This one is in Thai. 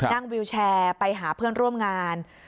วิวแชร์ไปหาเพื่อนร่วมงาน